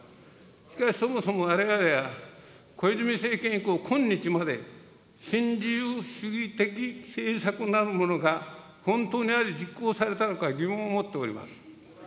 しかしそもそもわれわれは、小泉政権以降、今日まで新自由主義的政策なるものが本当にあり実行されたのか疑問を持っております。